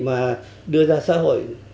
mà đưa ra xã hội